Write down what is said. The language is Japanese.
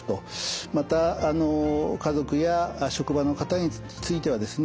また家族や職場の方についてはですね